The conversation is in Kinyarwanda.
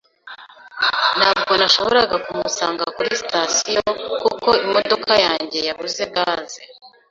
Ntabwo nashoboraga kumusanga kuri sitasiyo kuko imodoka yanjye yabuze gaze.